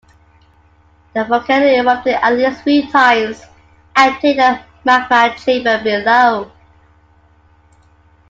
The volcano erupted at least three times, emptying the magma chamber below.